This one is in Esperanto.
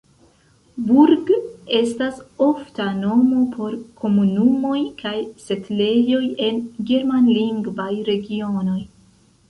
Burg estas ofta nomo por komunumoj kaj setlejoj en germanlingvaj regionoj.